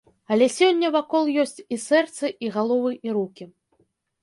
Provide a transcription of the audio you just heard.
Але сёння вакол ёсць і сэрцы, і галовы, і рукі.